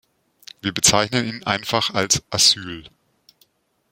Wir bezeichnen ihn einfach als "Asyl".